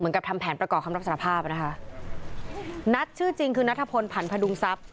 ทำแผนประกอบคำรับสารภาพอ่ะนะคะนัทชื่อจริงคือนัทพลผันพดุงทรัพย์